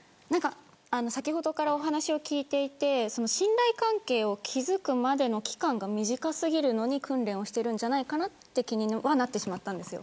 先ほどから話を聞いていて信頼関係を築くまでの期間が短過ぎるのに訓練をしているんじゃないかという気になってしまいました。